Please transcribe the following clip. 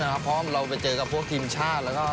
เพราะเราไปเจอกับพวกทีมชาติ